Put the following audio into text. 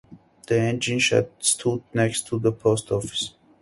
The engine shed stood next to the post office.